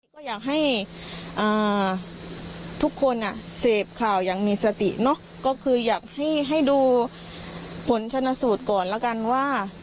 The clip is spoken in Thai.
ก็อยากให้ทุกคนเสพข่าวอย่างมีสติเนอะก็คืออยากให้ดูผลชนะสูตรก่อนแล้วกันว่า